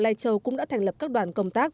lai châu cũng đã thành lập các đoàn công tác